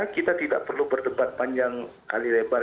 kita tidak perlu berdebat panjang kali lebar